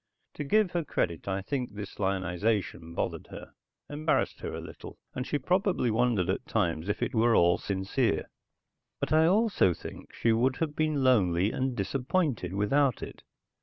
To give her credit, I think this lionization bothered her, embarrassed her a little, and she probably wondered at times if it were all sincere. But I also think she would have been lonely and disappointed without it.